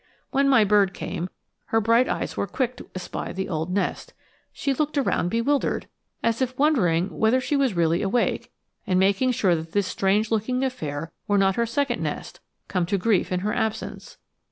When my bird came, her bright eyes were quick to espy the old nest. She looked around, bewildered, as if wondering whether she was really awake, and making sure that this strange looking affair were not her second nest, come to grief in her absence.